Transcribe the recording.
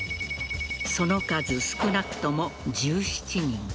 その数、少なくとも１７人。